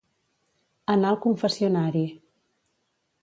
Anar al confessionari.